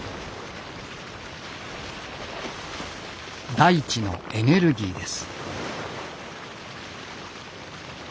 大地のエネルギーです。